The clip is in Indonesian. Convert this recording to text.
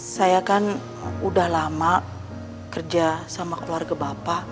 saya kan udah lama kerja sama keluarga bapak